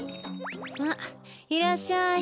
あっいらっしゃい。